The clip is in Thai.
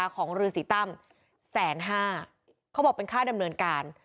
ของฤษีตั้มแสนห้าเขาบอกเป็นค่าดำเนินการ